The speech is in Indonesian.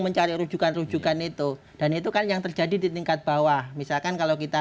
mencari rujukan rujukan itu dan itu kan yang terjadi di tingkat bawah misalkan kalau kita